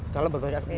dalam berbagai aspek